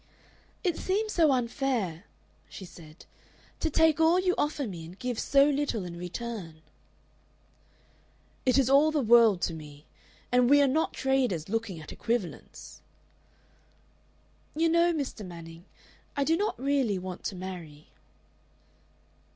"It seems so unfair," she said, "to take all you offer me and give so little in return." "It is all the world to me. And we are not traders looking at equivalents." "You know, Mr. Manning, I do not really want to marry."